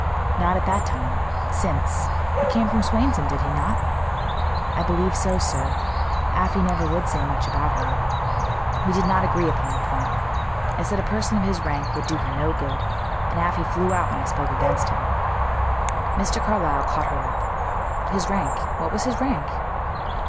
"Not at that time. Since. He came from Swainson, did he not?" "I believe so, sir. Afy never would say much about him. We did not agree upon the point. I said a person of his rank would do her no good; and Afy flew out when I spoke against him." Mr. Carlyle caught her up. "His rank. What was his rank?"